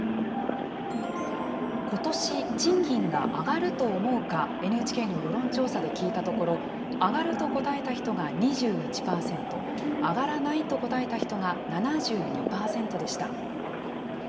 ことし、賃金が上がると思うか、ＮＨＫの世論調査で聞いたところ、上がると答えた人が２１％、上がらないと答えた人が７２％でした。